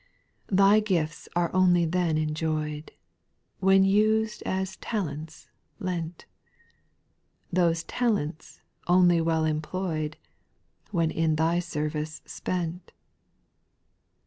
4. Thy gifts arc only then enjoyed. When used as talents lent ; Those talents only well employed, When in Thy service spent.